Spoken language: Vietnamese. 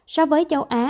so với châu á